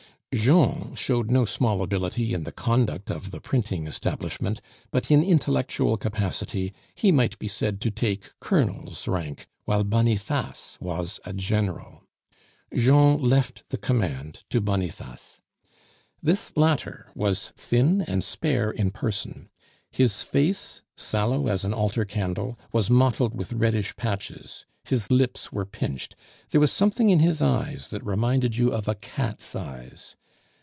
Jean showed no small ability in the conduct of the printing establishment, but in intellectual capacity he might be said to take colonel's rank, while Boniface was a general. Jean left the command to Boniface. This latter was thin and spare in person; his face, sallow as an altar candle, was mottled with reddish patches; his lips were pinched; there was something in his eyes that reminded you of a cat's eyes.